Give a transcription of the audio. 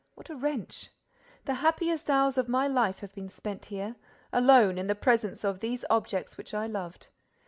What a wrench! The happiest hours of my life have been spent here, alone, in the presence of these objects which I loved.